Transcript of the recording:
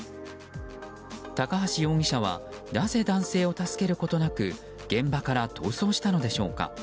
高橋容疑者はなぜ、男性を助けることなく現場から逃走したのでしょうか。